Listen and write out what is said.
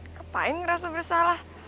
ngapain ngerasa bersalah